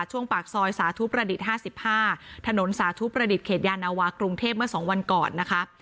ช่วงปากซอยสาธุประดิษฐ์๕๕ถนนสาธุประดิษฐ์เขตยานาวากรุงเทพเมื่อ๒วันก่อนนะคะ